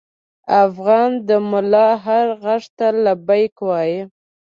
افغان د ملا هر غږ ته لبیک وايي.